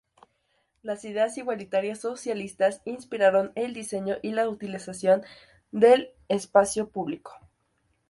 Las ideas igualitarias socialistas inspiraron el diseño y la utilización del espacio público.